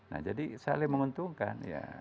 nah jadi saling menguntungkan ya